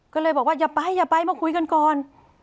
ก็เลยบอกว่าอย่าไปอย่าไปมาคุยกันก่อน